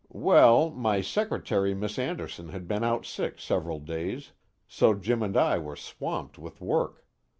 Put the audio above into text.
"Well, my secretary Miss Anderson had been out sick several days, so Jim and I were swamped with work.